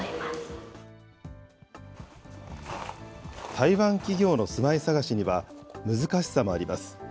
台湾企業の住まい探しには、難しさもあります。